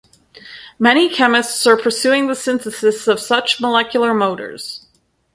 Many chemists are pursuing the synthesis of such molecular motors.